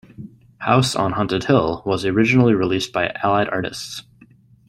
"House on Haunted Hill" was originally released by Allied Artists.